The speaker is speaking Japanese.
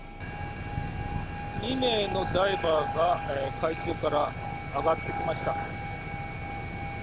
２名のダイバーが海中から上がってきました。